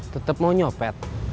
tetep mau nyopet